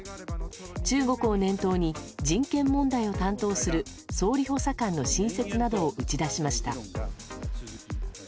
中国を念頭に人権問題を担当する総理補佐官の新設などを打ち出しました。